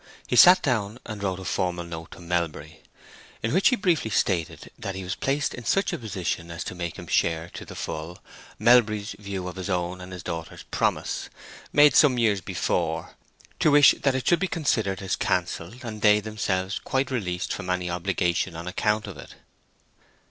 He sat down and wrote a formal note to Melbury, in which he briefly stated that he was placed in such a position as to make him share to the full Melbury's view of his own and his daughter's promise, made some years before; to wish that it should be considered as cancelled, and they themselves quite released from any obligation on account of it.